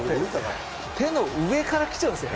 手の上からきちゃうんですよね